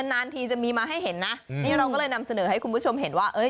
นานทีจะมีมาให้เห็นนะนี่เราก็เลยนำเสนอให้คุณผู้ชมเห็นว่าเอ้ย